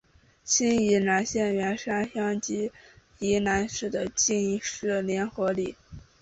今宜兰县员山乡及宜兰市的进士联合里。